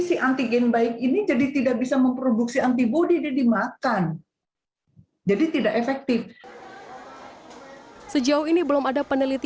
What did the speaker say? si antigen baik ini jadi tidak bisa memproduksi antibody dimakan jadi tidak efektif sejauh ini